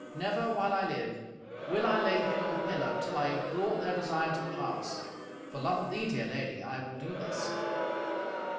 Never, while I live, will I lay head on pillow, till I have brought their desire to pass. For love of thee, dear lady, I will do this."